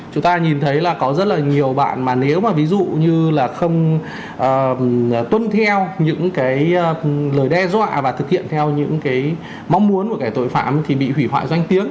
chúng ta nhìn thấy là có rất là nhiều bạn mà nếu mà ví dụ như là không tuân theo những cái lời đe dọa và thực hiện theo những cái mong muốn của cái tội phạm thì bị hủy hoại danh tiếng